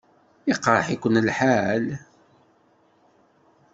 Iqṛeḥ-iken lḥal?